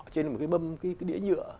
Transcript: trên một cái bâm một cái đĩa nhựa